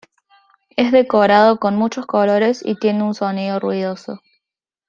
Es decorado con muchos colores y tiene un sonido ruidoso.